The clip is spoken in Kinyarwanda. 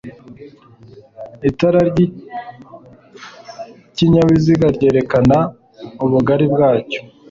itara ry'ikinyabiziga ryerekana ubugari bwacyo